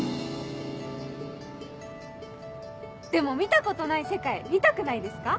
でも見たことない世界見たくないですか？